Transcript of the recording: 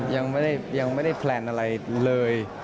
ยังไม่ได้แพลนอะไรเลย